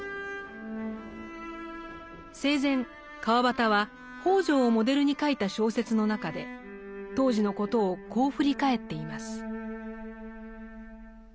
生前川端は北條をモデルに書いた小説の中で当時のことをこう振り返っています。